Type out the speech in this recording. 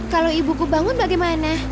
kalau ibuku bangun bagaimana